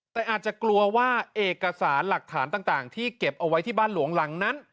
แต่อาจจะกลัวว่าเอกสารหลักฐานต่างที่เก็บเอาไว้ที่บ้านหลวงหลังนั้น